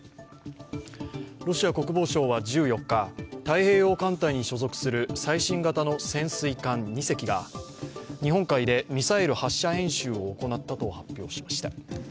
ロシア国防省は１４日、太平洋艦隊に所属する最新型の潜水艦２隻が、日本海でミサイル発射演習を行ったと発表しました。